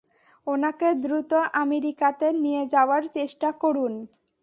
ওনাকে দ্রুত আমেরিকাতে নিয়ে যাওয়ার চেষ্টা করুন।